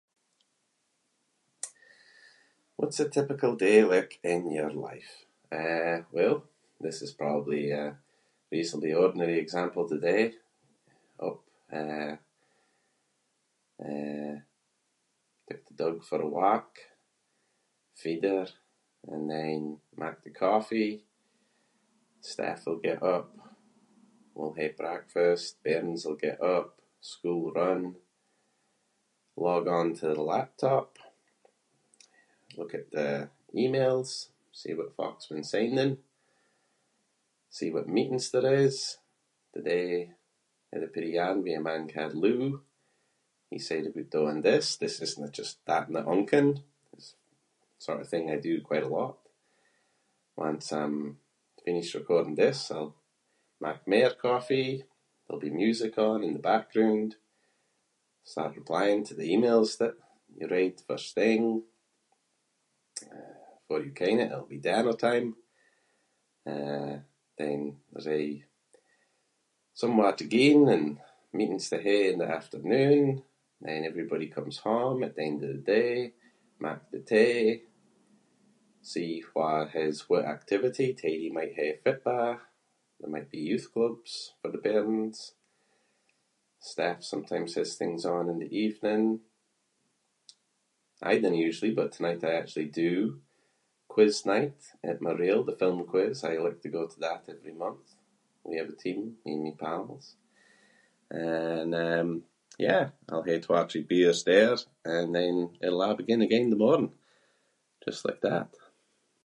What’s a typical day like in your life? Eh, well, this is probably a reasonably ordinary example today. Got up, eh- eh, took the dog for a walk, feed her and then mak the coffee. Steph’ll get up, we’ll hae breakfast, bairns will get up, school run, log onto the laptop, look at the emails – see what folk’s been signing. See what meetings there is. Today I had a peerie [inc]. He said we'll be doing this- this isnae just that [inc]. It's the sort of thing I do quite a lot. Once I’m finished recording this I’ll mak mair coffee, there’ll be music on in the background- start replying to the emails that you read first thing. Eh, before you ken it, it’ll be dinnertime. Eh, then there’s aie somewhere to ging and meetings to hae in the afternoon. Then everybody comes home at the end of the day, mak the tea, see who has what activity. Teddy might hae footba’, there might be youth clubs for the bairns. Steph sometimes has things on in the evening. I dinna usually but tonight I actually do. Quiz night at Mareel- the film quiz- I like to go to that every month. We have a team, me and my pals. And, um, yeah, I’ll hae twa/three beers there and then it’ll a’ begin again the morn- just like that.